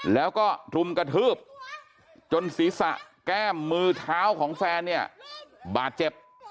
แล้วก็รุมกระทืบจนศีรษะแก้มมือเท้าของแฟนเนี่ยบาดเจ็บ